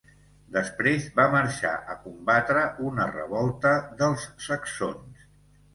Després, va marxar a combatre una revolta dels saxons.